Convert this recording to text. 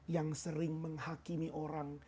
yang sering menghakimi orang